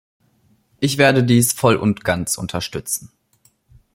Ich werde dies voll und ganz unterstützen.